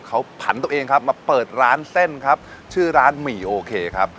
เขาผันตัวเองครับมาเปิดร้านเส้นครับชื่อร้านหมี่โอเคครับ